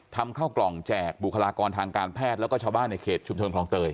เข้ากล่องแจกบุคลากรทางการแพทย์แล้วก็ชาวบ้านในเขตชุมชนคลองเตย